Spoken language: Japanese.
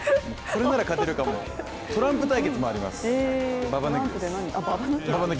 これなら勝てるかも、トランプ対決もあります、ババ抜きです。